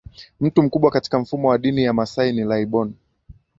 Mtu mkubwa katika mfumo wa dini ya Wamasai ni laibon